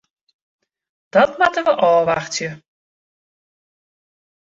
Dat moatte we ôfwachtsje.